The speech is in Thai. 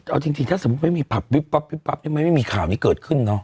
เอาจริงถ้าสมมุติไม่มีผับวิบปั๊บวิบปั๊บมันไม่มีข่าวนี้เกิดขึ้นเนาะ